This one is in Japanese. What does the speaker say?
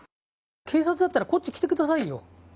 警察だったら、こっち来てくださいよ。